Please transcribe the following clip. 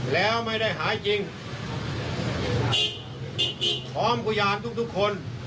แล้วไม่ได้หายจริงพร้อมพยานทุกทุกคน